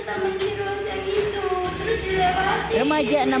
rumah itu ruas itu taman itu ruas yang itu terus dilewati